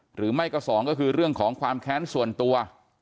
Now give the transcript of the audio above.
หรือไม่ก็สองก็คือเรื่องของความแค้นส่วนตัว